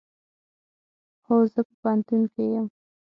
هو، زه په پوهنتون کې یم